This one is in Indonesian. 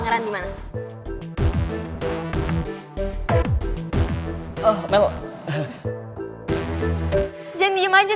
gue gak marah sama lo kenapa marah